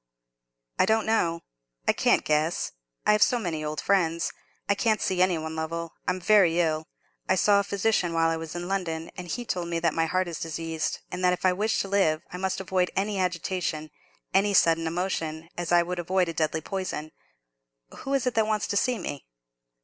"I don't know, I can't guess—I've so many old friends. I can't see any one, Lovell. I'm very ill, I saw a physician while I was in London; and he told me that my heart is diseased, and that if I wish to live I must avoid any agitation, any sudden emotion, as I would avoid a deadly poison. Who is it that wants to see me?"